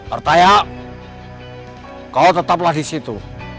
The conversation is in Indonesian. pertanyaan kau tetaplah di situ